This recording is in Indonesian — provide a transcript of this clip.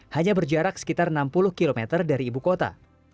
hanya berjarak sekitar enam puluh km dari ibu kota